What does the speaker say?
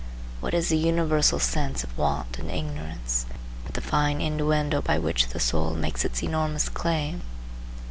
What is the universal sense of want and ignorance, but the fine innuendo by which the soul makes its enormous claim?